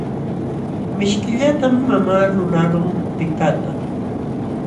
Mishkillatam mamaa lulaqlun upikaqta.